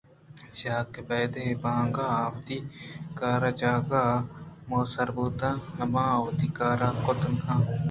چیاکہ بیدے اے بانگاں آ وتی کار ءُ جاگہاں ءُ موہ سر بُوت نہ باں ءُ وتی کاراں کُت نہ کناں